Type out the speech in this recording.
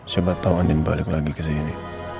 siapa tau andien balik lagi kesini